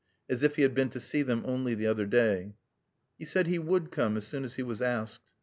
as if he had been to see them only the other day. He said he would come as soon as he was asked.